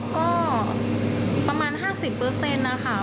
ก็ประมาณ๕๐นะคะ